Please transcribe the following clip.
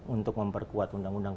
untuk memperkuat undang undang